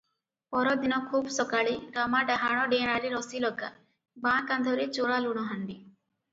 ପରଦିନ ଖୁବ୍ ସକାଳେ ରାମା ଡାହାଣ ଡେଣାରେ ରସିଲଗା, ବାଁ କାନ୍ଧରେ ଚୋରା ଲୁଣହାଣ୍ଡି ।